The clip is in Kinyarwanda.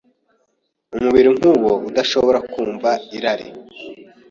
umubiri nkuwo udashobora kumva irari